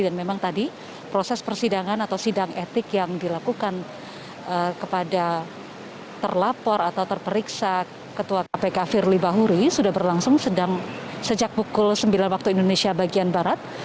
dan memang tadi proses persidangan atau sidang etik yang dilakukan kepada terlapor atau terperiksa ketua kpk firly bahuri sudah berlangsung sejak pukul sembilan waktu indonesia bagian barat